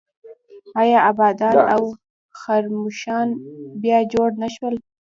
آیا ابادان او خرمشهر بیا جوړ نه شول؟